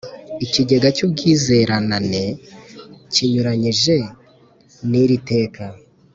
Ikigega cy ubwizeranane kinyuranyije n iri teka